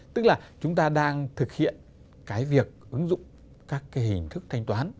tức là chúng ta đang thực hiện cái việc ứng dụng các cái hình thức thanh toán